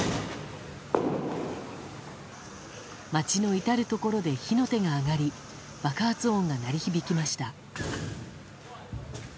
街の至るところで火の手が上がり爆発音が鳴り響きました。